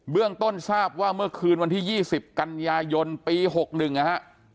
เรื่องต้นทราบว่าเมื่อคืนวันที่๒๐กันยายนปี๖๑นะฮะ